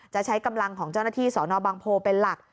ใช้กำลังของเจ้าหน้าที่สอนอบางโพเป็นหลัก